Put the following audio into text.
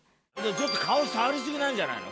ちょっと顔触りすぎなんじゃないの？